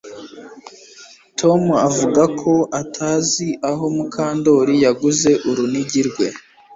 Tom avuga ko atazi aho Mukandoli yaguze urunigi rwe